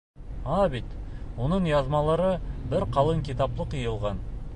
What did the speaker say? Ана бит, уның яҙмалары бер ҡалын китаплыҡ йыйылған.